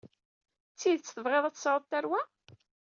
D tidet tebɣiḍ ad tesɛuḍ tarwa?